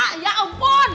itu kan nyokap yang meheli